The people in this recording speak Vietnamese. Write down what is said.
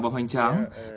và hoành tráng